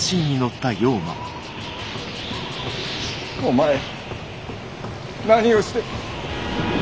・お前何をして。